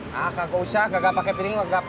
nah kagak usah kagak pake piring kagak apa apa